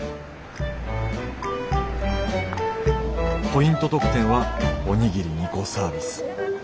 ポイント特典はおにぎり２個サービス。